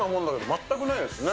全くないですね。